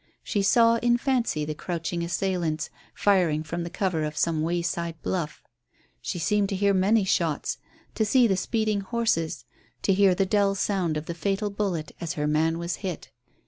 She saw in fancy the crouching assailants firing from the cover of some wayside bluff. She seemed to hear many shots, to see the speeding horses, to hear the dull sound of the fatal bullet as her man was hit.